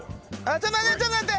ちょっと待ってちょっと待って！